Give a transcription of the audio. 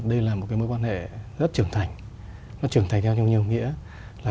đây là một mối quan hệ rất trưởng thành nó trưởng thành theo nhiều nghĩa